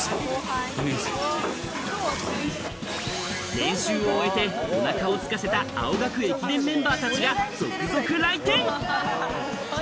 練習を終えて、おなかをすかせた青学駅伝メンバーたちが続々来店。